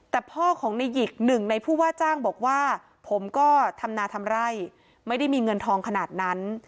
แต่พ่อของในหยิกหนึ่งในผู้ว่าจ้างบอกว่าผมก็ทำนาทำไร่ไม่ได้มีเงินทองขนาดนั้น